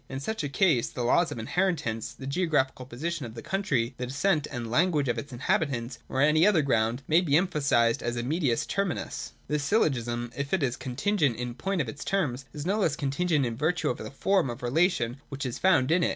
In such a case the laws of inheritance, the geographical position of the 320 THE DOCTRINE OF THE NOTION. [184 186. country, the descent and the language of its inhabitants, or any other ground, may be emphasised as a medius terminus. 185.] (i3) This syllogism, if it is contingent in point of its terms, is no less contingent in virtue of the form of relation which is found in it.